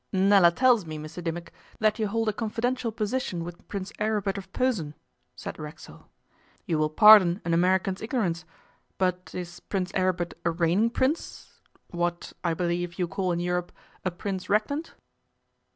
'Nella tells me, Mr Dimmock, that you hold a confidential position with Prince Aribert of Posen,' said Racksole. 'You will pardon an American's ignorance, but is Prince Aribert a reigning Prince what, I believe, you call in Europe, a Prince Regnant?